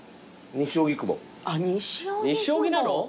西荻なの？